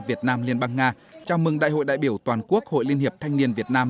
việt nam liên bang nga chào mừng đại hội đại biểu toàn quốc hội liên hiệp thanh niên việt nam